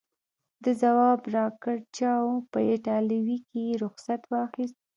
ده ځواب راکړ: چاو، په ایټالوي کې یې رخصت واخیست.